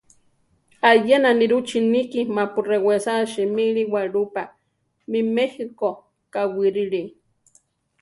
Ayena nirú chiníki mapu rewésa simili walúpa mí méjiko kawírili.